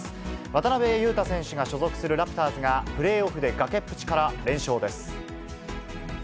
渡邊雄太選手が所属するラプターズが、プレーオフで崖っぷちから連勝です。